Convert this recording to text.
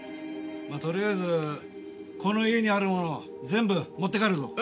まあとりあえずこの家にあるもの全部持って帰るぞ。